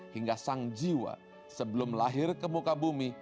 hingga sang jiwa sebelum lahir ke muka bumi